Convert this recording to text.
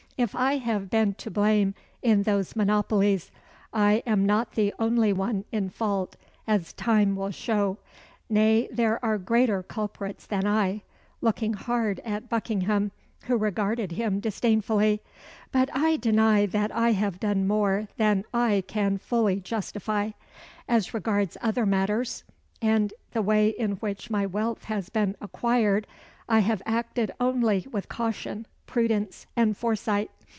If I have been to blame in those monopolies, I am not the only one in fault, as time will show. Nay, there are greater culprits than I" looking hard at Buckingham, who regarded him disdainfully "but I deny that I have done more than I can fully justify. As regards other matters, and the way in which my wealth has been acquired, I have acted only with caution, prudence, and foresight.